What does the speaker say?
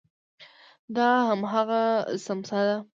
دا هماغه څمڅه ده.